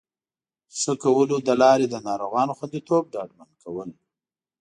ښه کولو له لارې د ناروغانو خوندیتوب ډاډمن کول